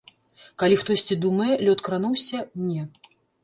Калі хтосьці думае, лёд крануўся, не.